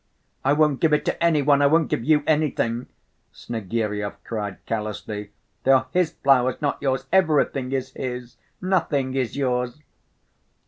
"I won't give it to any one, I won't give you anything," Snegiryov cried callously. "They are his flowers, not yours! Everything is his, nothing is yours!"